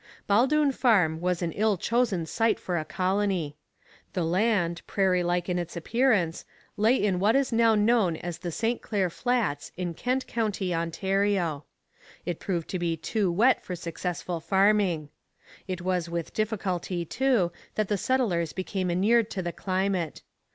Baldoon Farm was an ill chosen site for a colony. The land, prairie like in its appearance, lay in what is now known as the St Clair Flats in Kent county, Ontario. It proved to be too wet for successful farming. It was with difficulty, too, that the settlers became inured to the climate.